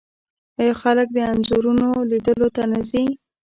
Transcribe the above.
آیا خلک د انځورونو لیدلو ته نه ځي؟